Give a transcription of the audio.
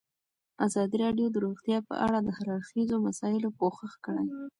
ازادي راډیو د روغتیا په اړه د هر اړخیزو مسایلو پوښښ کړی.